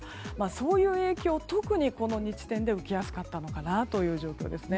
そういう影響を特に受けやすかったのかなという印象です。